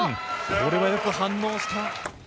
これはよく反応した。